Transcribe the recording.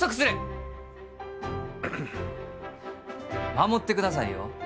守ってくださいよ。